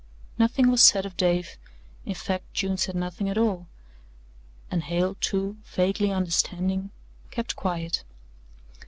Nothing was said of Dave in fact, June said nothing at all, and Hale, too, vaguely understanding, kept quiet.